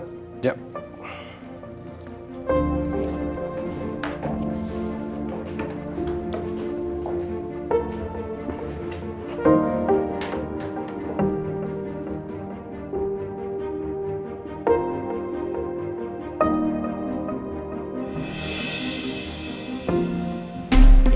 ingat harus ada